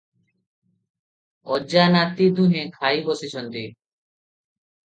ଅଜା ନାତି ଦୁହେଁ ଖାଇ ବସିଛନ୍ତି।